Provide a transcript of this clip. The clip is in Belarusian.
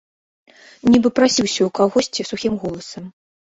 Нібы прасіўся ў кагосьці сухім голасам.